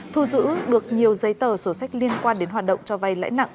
thu giữ được nhiều giấy tờ sổ sách liên quan đến hoạt động cho vay lãi nặng